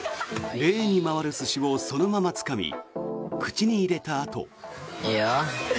レーンに回る寿司をそのままつかみ口に入れたあと。